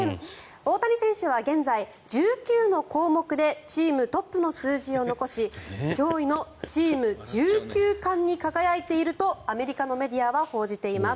大谷選手は現在、１９の項目でチームトップの数字を残し驚異のチーム１９冠に輝いているとアメリカのメディアは報じています。